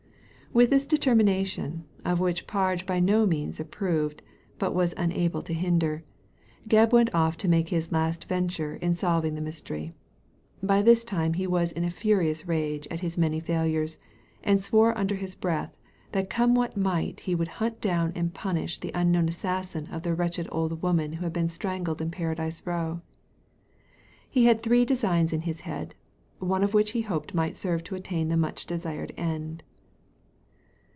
With this determination, of which Parge by no means approved, but was unable to hinder, Gebb went off to make his last venture in solving the mystery. By this time he was in a furious rage at his many failures, and swore under his breath that come what might he would hunt down and punish the unknown assassin of the wretched old woman who had been strangled in Paradise Row. He had three designs in his head, one of which he hoped might serve to attain the much desired end.